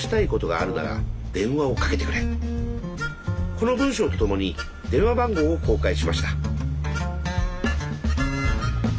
この文章と共に電話番号を公開しました。